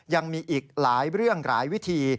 ยังมีอีกหลายเรื่องหลายวิธี